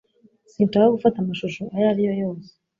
Sinshaka gufata amashusho ayo ari yo yose